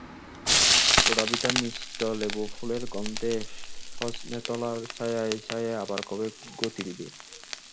পোড়ো ভিটার মিষ্ট লেবু ফুলের গন্ধে সজনেতলার ছায়ায় ছায়ায় আবার কবে গতিবিধি?